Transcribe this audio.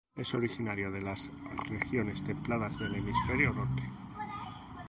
Es originario de las regiones templadas del Hemisferio Norte.